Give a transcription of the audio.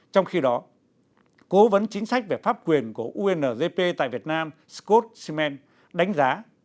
trong khi đó cố vấn chính sách về pháp quyền của unjp tại việt nam scott schimann đánh giá